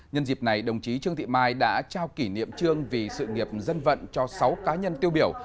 nhân dịp này đồng chí trương thị mai đã trao kỷ niệm trương vì sự nghiệp dân vận cho sáu cá nhân tiêu biểu